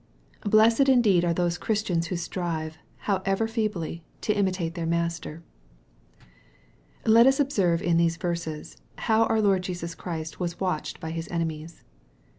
Blessed indeed are those Christians who strive, however feebly, to imitate their Master ! Let us observe in these verses, how our Lord Jesus Christ was watched by His enemies.